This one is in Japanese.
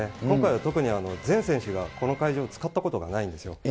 今回は特に全選手がこの会場、使ったことがないんですよ。